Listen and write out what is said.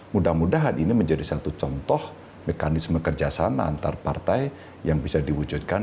mudah mudahan ini menjadi satu contoh mekanisme kerjasama antar partai yang bisa diwujudkan